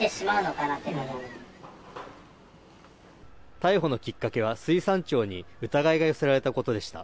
逮捕のきっかけは水産庁に疑いが寄せられたことでした。